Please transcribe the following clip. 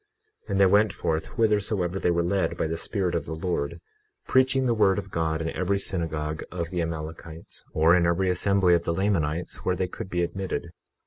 21:16 And they went forth whithersoever they were led by the Spirit of the Lord, preaching the word of God in every synagogue of the Amalekites, or in every assembly of the Lamanites where they could be admitted.